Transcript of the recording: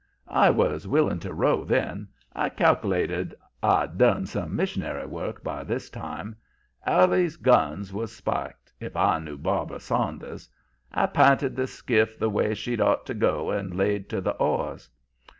"I was willing to row then. I cal'lated I'd done some missionary work by this time. Allie's guns was spiked, if I knew Barbara Saunders. I p'inted the skiff the way she'd ought to go and laid to the oars.